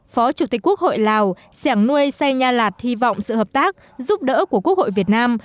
phó chủ tịch quốc hội lào sẻng nuôi sai nha lạt hy vọng sự hợp tác giúp đỡ của quốc hội việt nam